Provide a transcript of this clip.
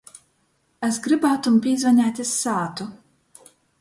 Es grybātum pīzvaneit iz sātu.